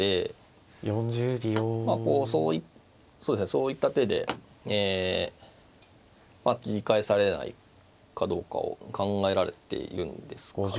そういった手でええ切り返されないかどうかを考えられているんですかね。